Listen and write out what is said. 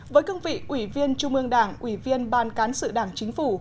với cương vị ủy viên chung bương đảng ủy viên ban cán sự đảng chính phủ